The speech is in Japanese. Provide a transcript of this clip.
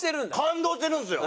感動してるんですよ！